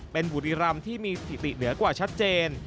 เป็นบุรีรำที่มีสถิติเหนือกว่าชัดเจน